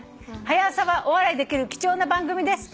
「『はや朝』は大笑いできる貴重な番組です」